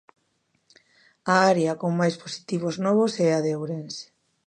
A área con máis positivos novos é a de Ourense.